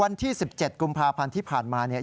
วันที่๑๗กุมภาพันธ์ที่ผ่านมาเนี่ย